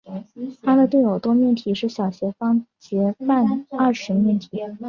它的对偶多面体是小斜方截半二十面体。